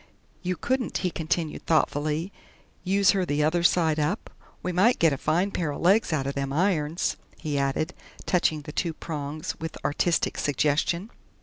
"You couldn't," he continued thoughtfully, "use her the other side up? we might get a fine pair o' legs outer them irons," he added, touching the two prongs with artistic suggestion.